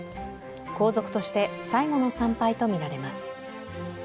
皇族として最後の参拝とみられます。